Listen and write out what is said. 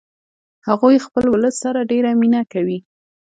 هغوی خپل ولس سره ډیره مینه کوي